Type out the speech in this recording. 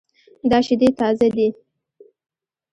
دا شیدې تازه دي